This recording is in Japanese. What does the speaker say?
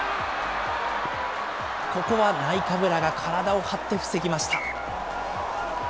ここはナイカブラが体を張って防ぎました。